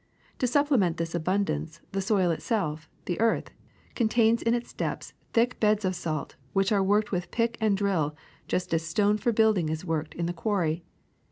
To supplement this abundance, the soil itself, the earth, contains in its depths thick beds of salt which are worked with pick and drill just as stone for building is worked in the quarry.